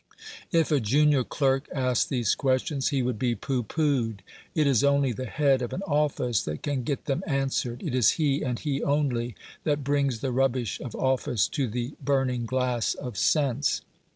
If a junior clerk asked these questions, he would be "pooh poohed!" It is only the head of an office that can get them answered. It is he, and he only, that brings the rubbish of office to the burning glass of sense.